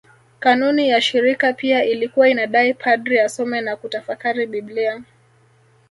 Kanuni ya shirika pia ilikuwa inadai padri asome na kutafakari Biblia